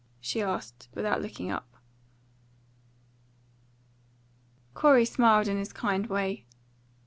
she asked, without looking up. Corey smiled in his kind way.